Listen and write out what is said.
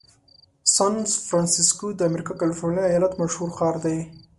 سان فرنسیسکو د امریکا کالفرنیا ایالت مشهوره ښار دی.